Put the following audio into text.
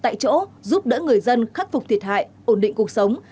tại chỗ giúp đỡ người dân khắc phục thiệt hại ổn định cuộc sống